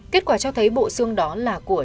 kết quả cho thấy bộ xương đó là của